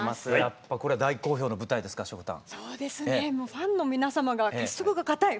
ファンの皆様が結束が固い。